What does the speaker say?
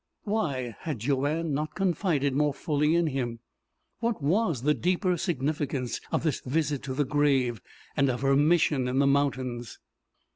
Why had Joanne not confided more fully in him? What was the deeper significance of this visit to the grave, and of her mission in the mountains?